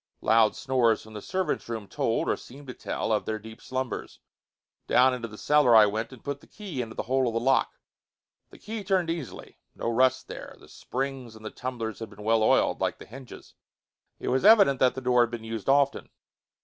Loud snores from the servants' room told, or seemed to tell, of their deep slumbers. Down into the cellar I went and put the key into the hole of the lock. The key turned easily no rust there the springs and the tumblers had been well oiled, like the hinges. It was evident that the door had been used often.